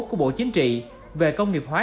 của bộ chính trị về công nghiệp hóa